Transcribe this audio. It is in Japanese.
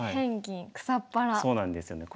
そうなんですよね。